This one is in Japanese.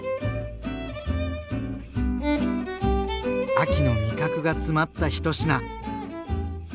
秋の味覚が詰まった１品。